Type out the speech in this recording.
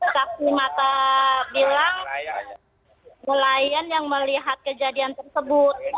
tapi mbak lika bilang nelayan yang melihat kejadian tersebut